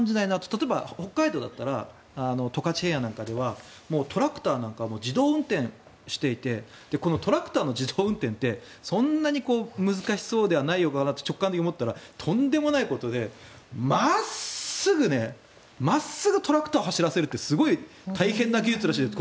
例えば、北海道だったら十勝平野なんかではトラクターなんかは自動運転していてこのトラクターの自動運転ってそんなに難しそうではないのかなって直感で思ったらとんでもないことで真っすぐトラクターを走らせるってすごい大変な技術らしいです。